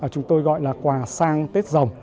chúng tôi gọi là quà sang tết rồng